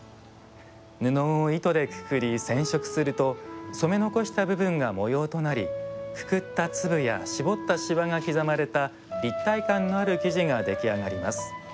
布を糸でくくり染色すると染め残した部分が模様となりくくった粒や絞ったシワが刻まれた立体感のある生地が出来上がります。